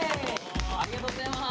ありがとうございます。